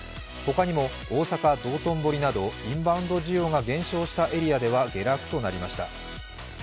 他にも大阪・道頓堀などインバウンド需要が減少したエリアでは下落となりました。